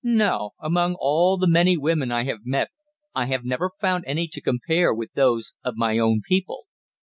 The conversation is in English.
No; among all the many women I have met I have never found any to compare with those of my own people.